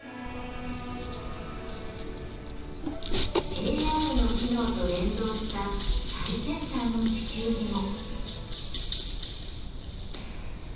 ＡＲの機能と連動した最先端の地球儀も。